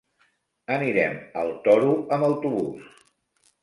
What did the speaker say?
Anirem al Toro amb autobús.